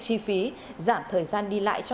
chi phí giảm thời gian đi lại cho